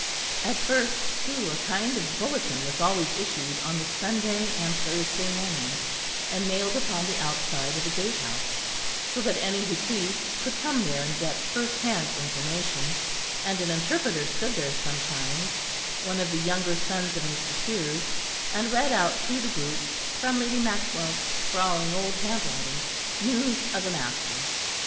At first, too, a kind of bulletin was always issued on the Sunday and Thursday mornings, and nailed upon the outside of the gatehouse, so that any who pleased could come there and get first hand information; and an interpreter stood there sometimes, one of the educated younger sons of Mr. Piers, and read out to the groups from Lady Maxwell's sprawling old handwriting, news of the master.